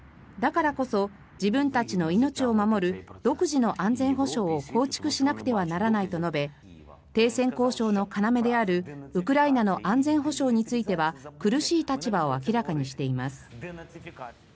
だからこそ自分たちの命を守る独自の安全保障を構築しなくてはならないと述べ停戦交渉のかなめであるウクライナの安全保障については苦しい立場を明らかにしています。